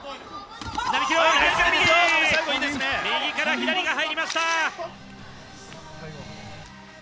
右から左が入りました。